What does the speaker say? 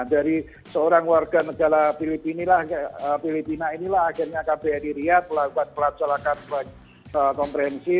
dari seorang warga negara filipina inilah akhirnya kbri riyad melakukan pelaksanakan konferensi